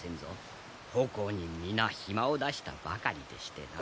奉公人皆暇を出したばかりでしてな。